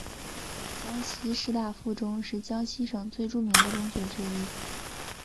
江西师大附中是江西省最著名的中学之一。